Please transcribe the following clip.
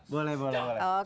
boleh boleh boleh